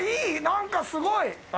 何かすごい！